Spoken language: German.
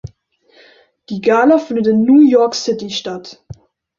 Die Gala findet in New York City statt.